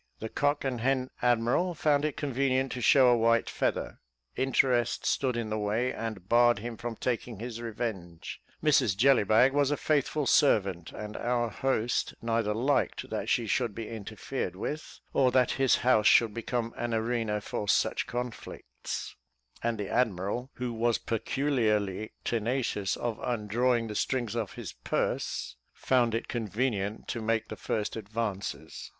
The cock and hen admiral found it convenient to show a white feather; interest stood in the way, and barred him from taking his revenge. Mrs Jellybag was a faithful servant, and our host neither liked that she should be interfered with, or that his house should become an arena for such conflicts; and the admiral, who was peculiarly tenacious of undrawing the strings of his purse, found it convenient to make the first advances.